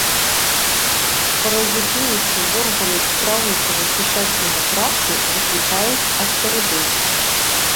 Паразітуючы ў органах страўнікава-кішачнага тракту, выклікаюць аскарыдоз.